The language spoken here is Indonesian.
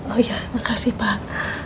oh iya makasih pak